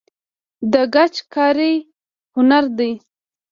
د ګچ کاري هنر دی